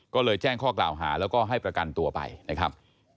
ก็เลยแจ้งข้อกล่าวหาแล้วก็ให้ประกันตัวไปนะครับ